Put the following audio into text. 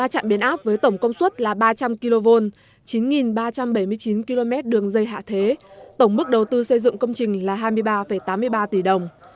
ba trạm biến áp với tổng công suất là ba trăm linh kv chín ba trăm bảy mươi chín km đường dây hạ thế tổng mức đầu tư xây dựng công trình là hai mươi ba tám mươi ba tỷ đồng